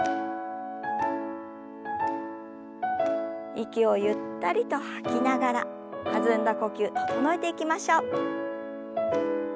息をゆったりと吐きながら弾んだ呼吸整えていきましょう。